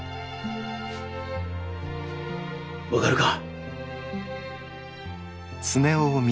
分かるか？